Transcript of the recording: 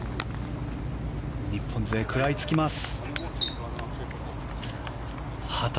日本勢、食らいつきます。